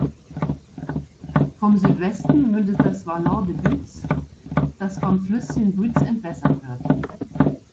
Von Südwesten mündet das Vallon du Buttes, das vom Flüsschen Buttes entwässert wird.